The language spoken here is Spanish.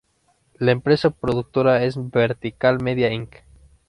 La empresa productora es Vertical Media Inc.